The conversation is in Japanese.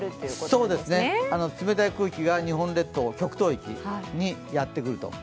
そうですね、冷たい空気が日本列島、極東域にやってくると。